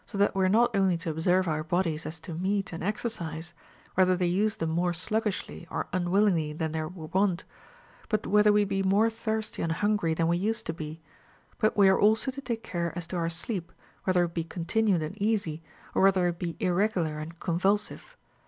th it we are not only to observe our bodies as to meat and exercise, whether they use them more shiggishly or unwill ingly than they were wont ; or whether we be more thirsty and hungry than we use to be ; but Λve are also to take care as to our sleep, whether it be continued and easy, or whether it be irregular and convulsive.